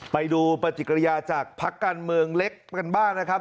ไปดูประจิกรยาจากพักกันเมืองเล็กเป็นบ้านนะครับ